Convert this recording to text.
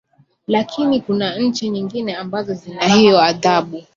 lakini kuna nchi nyingine ambazo zina hiyo adhabu